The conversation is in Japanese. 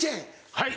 はい。